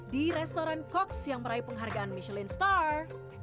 di restoran cox yang meraih penghargaan michelin star